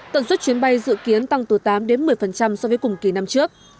tận suất chuyến bay dự kiến tăng từ tám đến một mươi so với cùng kỳ năm trước